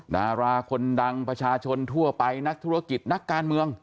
ดาราคนดังประชาชนทั่วไปนักธุรกิจนักการเมือง